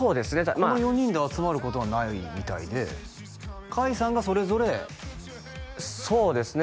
まあこの４人で集まることはないみたいで海さんがそれぞれそうですね